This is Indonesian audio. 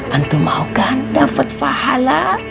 antumau kan dapat fahala